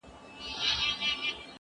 زه هره ورځ د کتابتوننۍ سره مرسته کوم!.